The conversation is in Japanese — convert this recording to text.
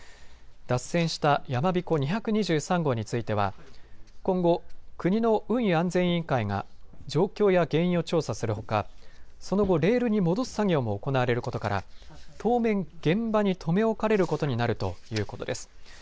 脱線したやまびこ２２３号については今後、国の運輸安全委員会が状況や原因を調査するほかその後、レールに戻す作業も行われることから当面、現場に留め置かれることになるということです。